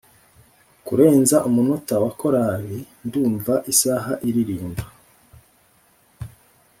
kurenza umunota wa korari ndumva isaha iririmba: